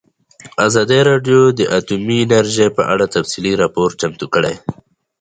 ازادي راډیو د اټومي انرژي په اړه تفصیلي راپور چمتو کړی.